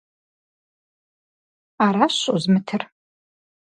Аращ щӀозмытыр!